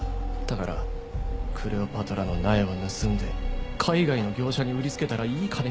だからクレオパトラの苗を盗んで海外の業者に売りつけたらいい金になった。